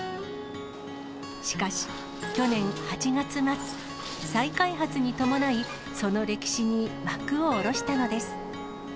しかし、去年８月末、再開発に伴い、その歴史に幕を下ろしたのです。